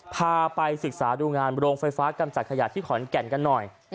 พาไปศึกษาดูงานโรงไฟฟ้ากำจัดขยะที่ขอนแก่นกันหน่อย